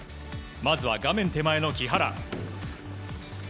まずは画面手前の木原。